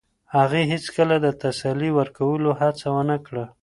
هغې هیڅکله د تسلي ورکولو هڅه ونه کړه.